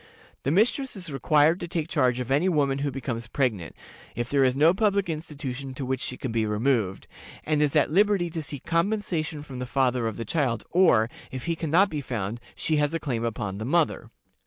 The mistress is required to take charge of any woman who becomes pregnant, if there is no public institution to which she can be removed, and is at liberty to seek compensation from the father of the child, or, if he can not be found, she has a claim upon the mother.